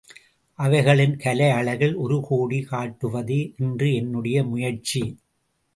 அவைகளின் கலை அழகில் ஒரு கோடி காட்டுவதே இன்று என்னுடைய முயற்சி.